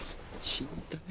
死にたい。